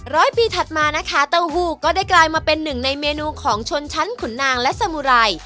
ร้อยปีถัดมานะคะเต้าหู้ก็ได้กลายมาเป็นหนึ่งในเมนูของชนชั้นขุนนางและสมุไร